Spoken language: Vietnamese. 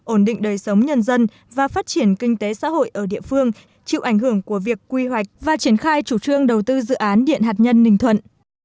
ổn định đời sống nhân dân và phát triển kinh tế xã hội ở địa phương chịu ảnh hưởng của việc quy hoạch và triển khai chủ trương đầu tư dự án điện hạt nhân ninh thuận